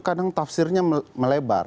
kadang tafsirnya melebar